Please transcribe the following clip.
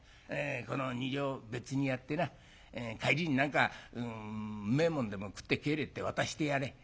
この２両別にやってな帰りに何かうめえもんでも食って帰れって渡してやれ」。